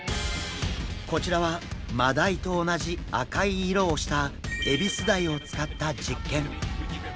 こちらはマダイと同じ赤い色をしたエビスダイを使った実験。